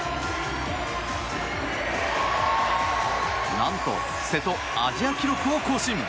何と瀬戸、アジア記録を更新。